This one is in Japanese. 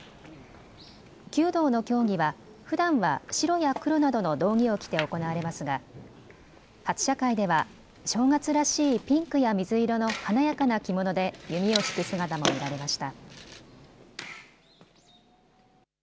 弓道の競技はふだんは白や黒などの道着を着て行われますが初射会では正月らしいピンクや水色の華やかな着物で弓を引く姿も見られました。